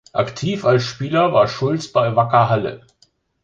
Aktiv als Spieler war Schulz bei Wacker Halle.